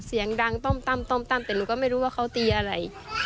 เสียงดังต้อมตั้มแต่หนูก็ไม่รู้ว่าเขาตีอะไร